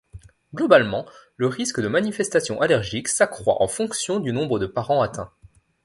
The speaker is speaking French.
Globalement le risque de manifestations allergiques s'accroît en fonction du nombre de parents atteints.